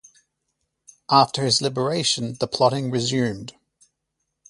After his liberation, the plotting resumed.